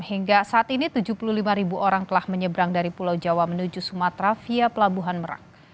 hingga saat ini tujuh puluh lima ribu orang telah menyeberang dari pulau jawa menuju sumatera via pelabuhan merak